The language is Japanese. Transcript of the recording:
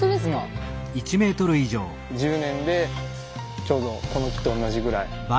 １０年でちょうどこの木と同じぐらい。